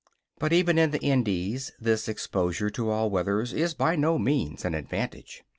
But even in the Indies this exposure to all weathers is by no means an advantage.